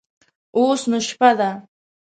اوس نو شپه ده.